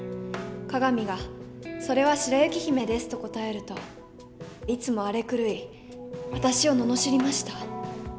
鏡が「それは白雪姫です」と答えるといつも荒れ狂い私を罵りました。